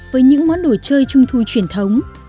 với những món đồ chơi trung thu truyền thống